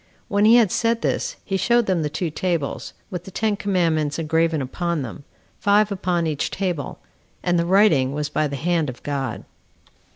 When he had said this, he showed them the two tables, with the ten commandments engraven upon them, five upon each table; and the writing was by the hand of God.